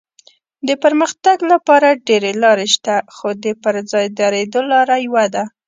د پرمختګ لپاره ډېرې لارې شته خو د پر ځای درېدو لاره یوه ده.